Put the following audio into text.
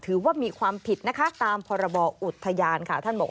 ถือว่ามีความผิดตามพบอุทยาน